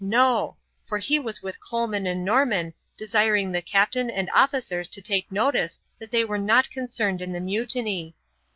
No, for he was with Coleman and Norman, desiring the captain and officers to take notice that they were not concerned in the mutiny.